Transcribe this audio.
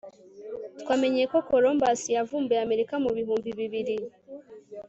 Twamenye ko Columbus yavumbuye Amerika mu bihimbi bibiri